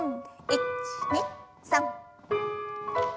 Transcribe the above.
１２３。